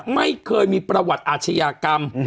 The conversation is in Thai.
ไม่เคยมีประวัติอาชญากรรม